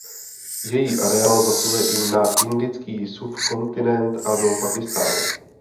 Její areál zasahuje i na indický subkontinent a do Pákistánu.